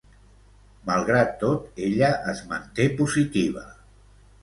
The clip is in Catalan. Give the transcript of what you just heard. Malgrat tot, ella es manté positiva?